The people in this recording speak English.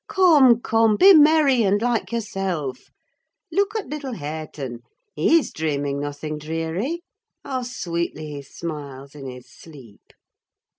Come, come, be merry and like yourself! Look at little Hareton! he's dreaming nothing dreary. How sweetly he smiles in his sleep!"